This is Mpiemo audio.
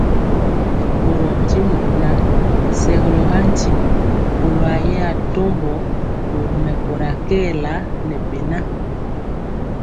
Ɓorɔɔ ntimɔ ŋan, segɔlɔ ga ntimɔ kɔlo ayɛ atɔmbɔ mori mɛkóra kɛɛla ŋɛ beŋa.